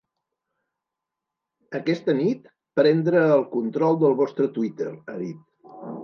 Aquesta nit, prendre el control del vostre Twitter, ha dit.